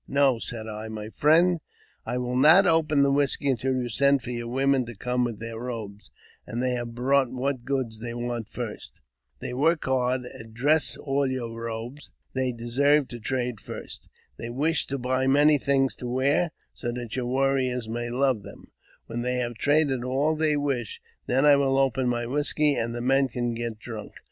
" No," said I, "my friend, I will not open the whisky until you send for your women to come with their robes, and they have bought what goods they want first. They work hard, and dress all your robes ; they deserve to trade first. They wish to buj many fine things to wear, so that your warriors may love thei When they had traded all they wish, then I will open mj whisky, and the men can get drunk.